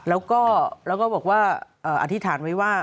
แล้วก็บอกว่าอธิษฐานไว้ว่า